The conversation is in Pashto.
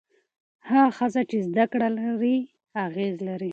هغه ښځه چې زده کړه لري، اغېز لري.